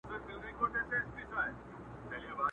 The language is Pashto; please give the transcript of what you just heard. نه مخ گوري د نړۍ د پاچاهانو؛